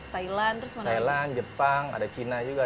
thailand thailand jepang ada cina juga